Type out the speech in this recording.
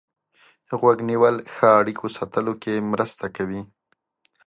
غوږ نیول ښه اړیکو ساتلو کې مرسته کوي.